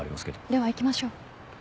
では行きましょう。